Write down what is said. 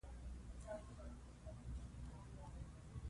لوستې میندې ماشوم ته سالم فکر ورزده کوي.